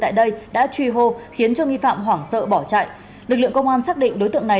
tại đây đã truy hô khiến cho nghi phạm hoảng sợ bỏ chạy lực lượng công an xác định đối tượng này